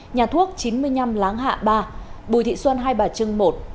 nhà thuốc chín mươi năm láng hạ ba bùi thị xuân hai bà trưng một